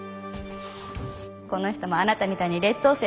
この人もあなたみたいに劣等生だったのよ。